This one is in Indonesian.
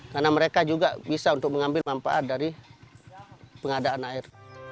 karena mereka juga bisa untuk mengambil manfaat dari pengadaan air